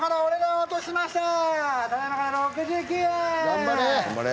頑張れ！